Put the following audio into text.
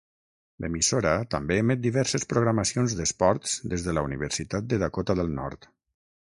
L'emissora també emet diverses programacions d'esports des de la universitat de Dakota del Nord.